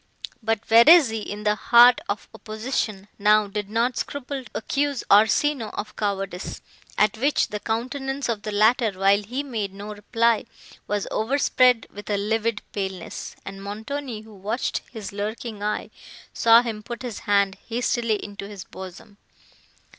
But Verezzi, in the heat of opposition, now did not scruple to accuse Orsino of cowardice, at which the countenance of the latter, while he made no reply, was overspread with a livid paleness; and Montoni, who watched his lurking eye, saw him put his hand hastily into his bosom.